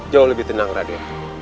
jauh lebih tenang rade